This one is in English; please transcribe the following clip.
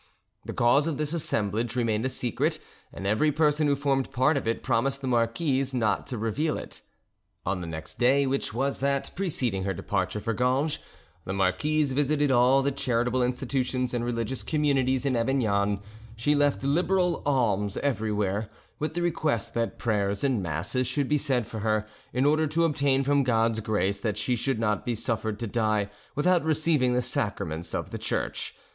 The cause of this assemblage remained a secret, and every person who formed part of it promised the marquise not to reveal it. On the next day, which was that preceding her departure for Ganges, the marquise visited all the charitable institutions and religious communities in Avignon; she left liberal alms everywhere, with the request that prayers and masses should be said for her, in order to obtain from God's grace that she should not be suffered to die without receiving the sacraments of the Church.